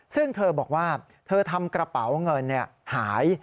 ซึ่งเธอบอกว่าเธอทำกระเป๋าเงินหาย